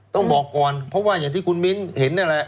ต้องบอกก่อนเพราะว่าอย่างที่คุณมิ้นเห็นนั่นแหละ